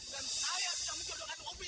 dan saya sudah menjodohkan upi